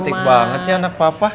cantik banget sih anak papa